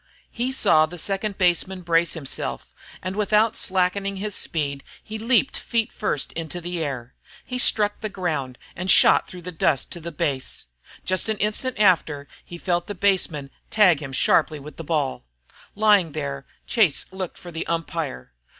He saw the second baseman brace himself, and without slackening his speed he leaped feet first into the air. He struck the ground and shot through the dust to the base. Just an instant after he felt the baseman tag him sharply with the ball. Lying there, Chase looked for the umpire.